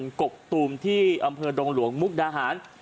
กกตูมที่อำเภอดงหลวงมุกดาหาร